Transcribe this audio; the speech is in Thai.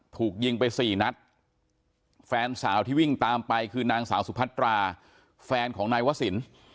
ถูกยิงไปสี่นัดแฟนสาวที่วิ่งตามไปคือนางสาวสุพัตราแฟนของนายวะสิน